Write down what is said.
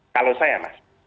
kalau saya mas